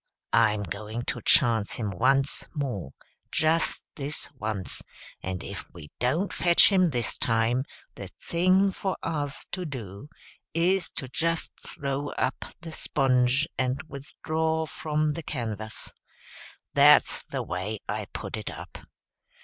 I'm a going to chance him once more, just this once; and if we don't fetch him this time, the thing for us to do, is to just throw up the sponge and withdraw from the canvass. That's the way I put it up."